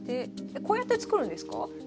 こうやって作るんですか？